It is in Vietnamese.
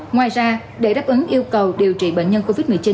ngoài ra để đáp ứng yêu cầu điều trị bệnh nhân covid một mươi chín